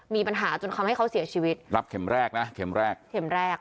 มีปัญหาจนทำให้เขาเสียชีวิตรับเข็มแรกนะเข็มแรกเข็มแรก